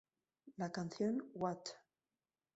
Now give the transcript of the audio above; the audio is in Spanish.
La canción "What?